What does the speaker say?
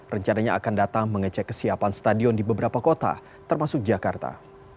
rencananya akan datang mengecek kesiapan stadion di beberapa kota termasuk jakarta